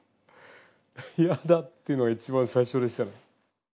嫌だというのが一番最初でしたね。